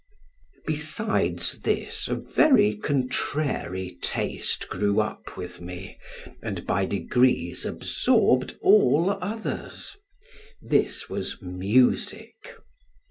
Besides this, a very contrary taste grew up with me, and by degrees absorbed all others; this was music.